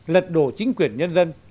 lật đổ chính quyền nhân dân